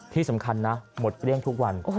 ที่สำคัญนะหมดเกลี้ยงทุกวัน